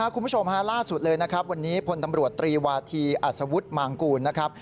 คุณผู้ชมฮะล่าสุดเลยนะครับวันนี้พลตำรวจตรีวาธีอัศวุฒิมางกูลนะครับ